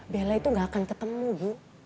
bella itu gak akan ketemu bu